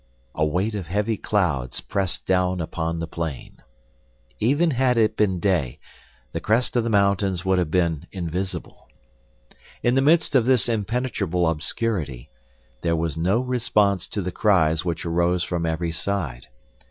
A weight of heavy clouds pressed down upon the plain. Even had it been day the crest of the mountains would have been invisible. In the midst of this impenetrable obscurity, there was no response to the cries which arose from every side.